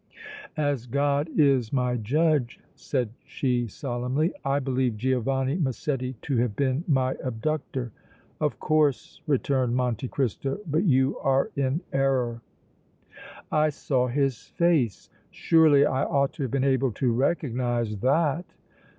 "As God is my judge," said she, solemnly, "I believe Giovanni Massetti to have been my abductor!" "Of course," returned Monte Cristo, "but you are in error!" "I saw his face! Surely I ought to have been able to recognize that!"